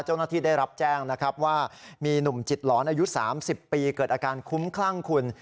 เจ้าหน้าที่ได้รับแจ้งนะครับว่ามีหนุ่มจิตหลอนอายุ๓๐ปีเกิดอาการคุ้มคลั่งคุณ